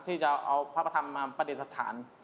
ที่จะเอาภาพธรรมมาปฏิสถาน